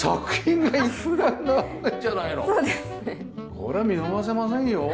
こりゃ見逃せませんよ。